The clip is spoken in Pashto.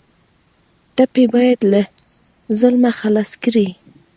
ټپي باید له ظلمه خلاص کړئ.